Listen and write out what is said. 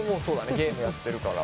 ゲームやってるから。